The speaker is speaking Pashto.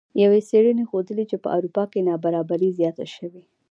یوې څیړنې ښودلې چې په اروپا کې نابرابري زیاته شوې